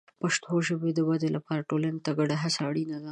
د پښتو ژبې د ودې لپاره ټولنې ته ګډه هڅه اړینه ده.